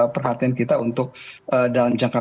perhatian kita untuk dalam jangka